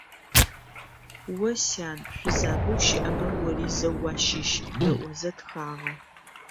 «О, сян, шъузабэу щыӏэмэ ори зэу уащыщ…», - ыӏозэ тхагъэ.